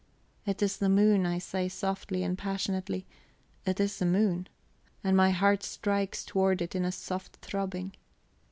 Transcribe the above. "It is the moon!" I say softly and passionately; "it is the moon!" and my heart strikes toward it in a soft throbbing.